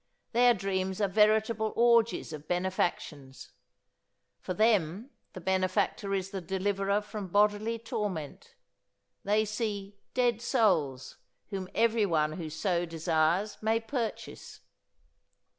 Their dreams are veritable orgies of benefactions. For them the benefactor is the deliverer from bodily torment. They see "dead souls" whom everyone who so desires may purchase.